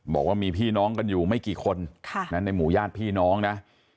บอกว่ามีพี่น้องกันอยู่ไม่กี่คนในหมู่ญาติพี่น้องนะ